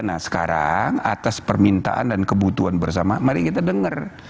nah sekarang atas permintaan dan kebutuhan bersama mari kita dengar